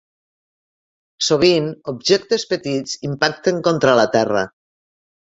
Sovint objectes petits impacten contra la Terra.